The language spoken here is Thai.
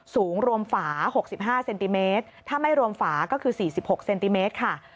สูงรวมฝา๖๕เซนติเมตรถ้าไม่รวมฝาก็คือ๔๖เซนติเมตรค่ะ